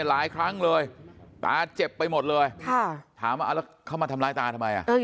หลายครั้งเลยตาเจ็บไปหมดเลยถามว่าแล้วเข้ามาทำร้ายตาทำไม